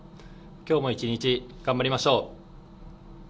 今日も一日頑張りましょう。